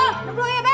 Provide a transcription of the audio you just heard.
lu belum iya be